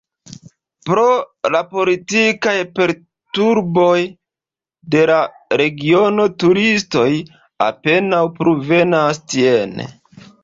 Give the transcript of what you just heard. Pro la politikaj perturboj de la regiono turistoj apenaŭ plu venas tien.